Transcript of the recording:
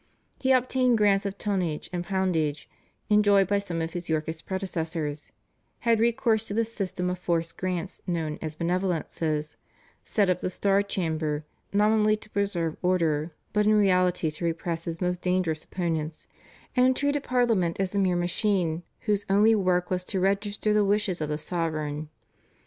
He obtained grants of tonnage and poundage enjoyed by some of his Yorkist predecessors, had recourse to the system of forced grants known as benevolences, set up the Star Chamber nominally to preserve order but in reality to repress his most dangerous opponents, and treated Parliament as a mere machine, whose only work was to register the wishes of the sovereign.